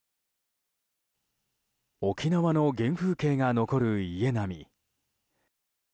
沖縄の原風景が残る家並み。